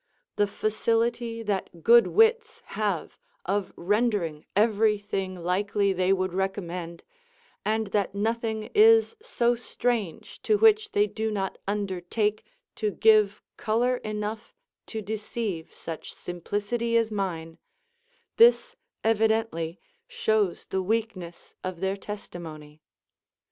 The facility that good wits have of rendering every thing likely they would recommend, and that nothing is so strange to which they do not undertake to give colour enough to deceive such simplicity as mine, this evidently shows the weakness of their testimony.